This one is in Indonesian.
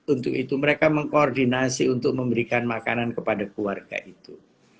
untuk itu mereka mengkoordinasi untuk memberikan makanan kepada keluarga itu